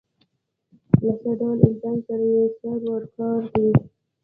له څه ډول انسان سره یې سر و کار دی.